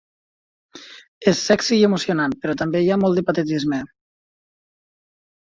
És 'sexy' i emocionant, però també hi ha molt de patetisme.